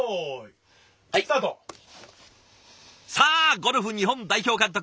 さあゴルフ日本代表監督